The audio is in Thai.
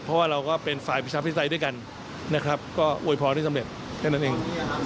เพราะว่าเราก็เป็นฝ่ายประชาธิปไตยด้วยกันนะครับก็อวยพรให้สำเร็จแค่นั้นเอง